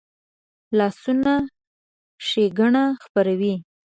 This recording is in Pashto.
لاسونه ښېګڼه خپروي